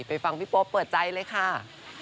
ฟังพี่โป๊ปเปิดใจเลยค่ะ